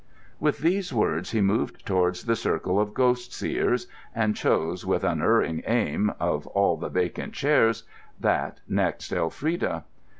With these words he moved towards the circle of ghost seers, and chose, with unerring aim, of all the vacant chairs, that next Elfrida.